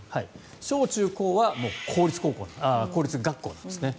小中高は公立学校なんですね。